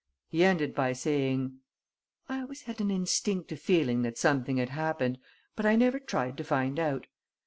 He ended by saying: "I always had an instinctive feeling that something had happened, but I never tried to find out....